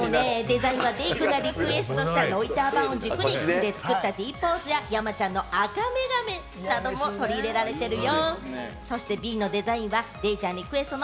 Ａのデザインはデイくんがリクエストしたロイター板を軸に、手で作ったＤポーズや、山ちゃんの赤眼鏡なども取り入れられているよ。